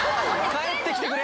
帰ってきてくれ！